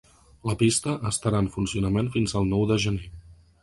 La pista estarà en funcionament fins el nou de gener.